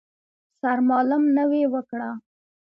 سرمالم نوې وکړه.